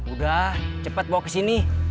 udah cepet bawa kesini